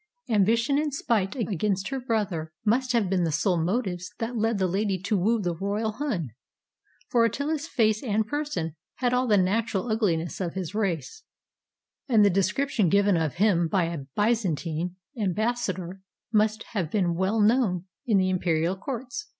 Ambition and spite against her brother must have been the sole motives that led the lady to woo the royal Hun; for Attila 's face and person had all the natural ugliness of his race, and the description given of him by a Byzantine ambassador must have been well known in the imperial courts.